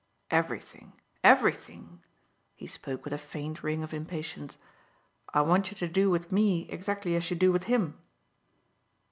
"Everything, everything." He spoke with a faint ring of impatience. "I want you to do with me exactly as you do with him."